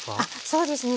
そうですね。